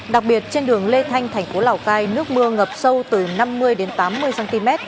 đặc biệt trên đường lê thanh thành phố lào cai nước mưa ngập sâu từ năm mươi đến tám mươi cm